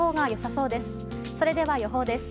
それでは、予報です。